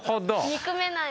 憎めない。